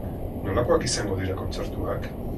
Nolakoak izango dira kontzertuak?